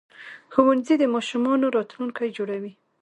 ښوونځي د ماشومانو راتلونکي جوړوي